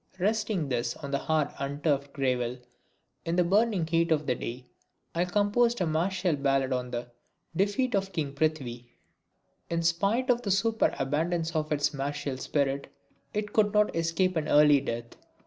Resting thus on the hard unturfed gravel in the burning heat of the day I composed a martial ballad on the "Defeat of King Prithwi." In spite of the superabundance of its martial spirit, it could not escape an early death.